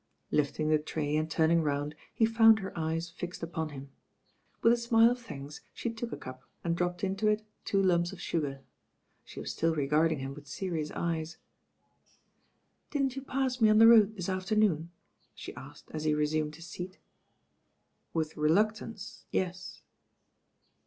Lifting the tray and turning round he found her eyes fixed upon him. With a smile of thanks she took a cup and dropped into it two lumps of sugar. She was still regarding him with serious eyes. "Didn't you pass me on the road this afternoon?" she asked as he resumed his seat. "With reluctance, yes."